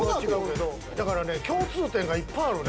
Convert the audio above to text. だからね共通点がいっぱいあるね。